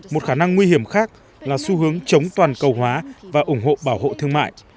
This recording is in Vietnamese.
một khả năng nguy hiểm khác là xu hướng chống toàn cầu hóa và ủng hộ bảo hộ thương mại